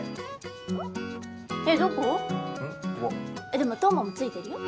でも刀磨もついてるよ。